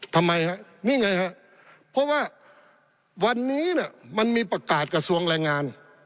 ทำไมฮะนี่ไงฮะเพราะว่าวันนี้เนี่ยมันมีประกาศกระทรวงแรงงาน